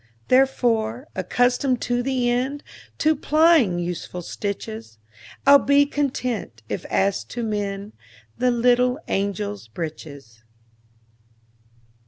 Therefore, accustomed to the endTo plying useful stitches,I 'll be content if asked to mendThe little angels' breeches.